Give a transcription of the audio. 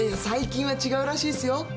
最近は違うらしいっすよ。